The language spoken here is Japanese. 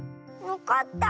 わかった。